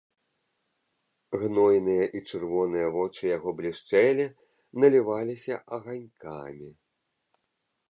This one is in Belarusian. Гнойныя і чырвоныя вочы яго блішчэлі, наліваліся аганькамі.